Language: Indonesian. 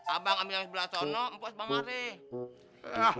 abang ambil yang sebelah sana empok yang sebelah sana